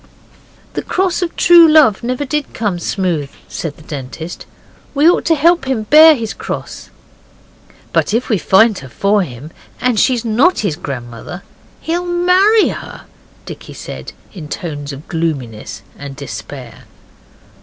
'The cross of true love never did come smooth,' said the Dentist. 'We ought to help him to bear his cross.' 'But if we find her for him, and she's not his grandmother, he'll MARRY her,' Dicky said in tones of gloominess and despair.